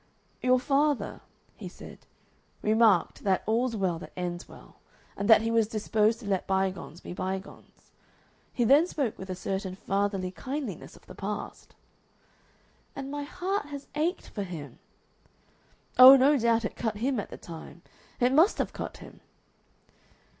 "Your father," he said, "remarked that all's well that ends well, and that he was disposed to let bygones be bygones. He then spoke with a certain fatherly kindliness of the past...." "And my heart has ached for him!" "Oh, no doubt it cut him at the time. It must have cut him."